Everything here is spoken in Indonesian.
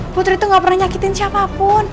putri itu gak pernah nyakitin siapapun